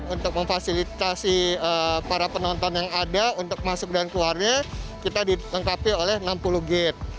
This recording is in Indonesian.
untuk memfasilitasi para penonton yang ada untuk masuk dan keluarnya kita dilengkapi oleh enam puluh gate